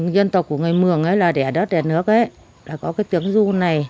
khi có dân tộc của người mường ấy là đẻ đất đẻ nước ấy đã có cái tiếng ru này